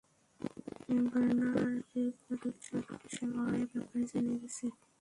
বার্নার্ডোকে বল, পুলিশরা লড়াইয়ের ব্যাপারে জেনে গেছে।